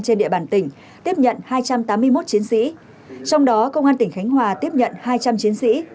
trên địa bàn tỉnh tiếp nhận hai trăm tám mươi một chiến sĩ trong đó công an tỉnh khánh hòa tiếp nhận hai trăm linh chiến sĩ